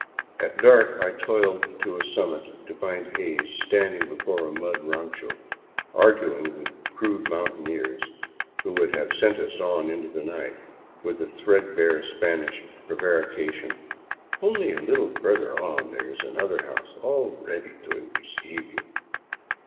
At dark I toiled to a summit to find Hays standing before a mud rancho arguing with the crude mountaineers who would have sent us on into the night with the threadbare Spanish prevarica tion, " Only a little further on there is another house all ready to re ceive you."